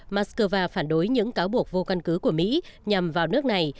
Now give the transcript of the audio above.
mắc cơ va phản đối những cáo buộc vô căn cứ của mỹ nhằm vào nước này